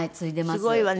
すごいわね。